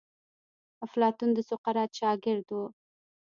افلاطون د سقراط شاګرد وو.